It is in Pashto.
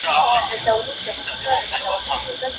آیا میخ تر بولټ نرۍ دی؟